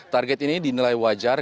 target ini dinilai wajar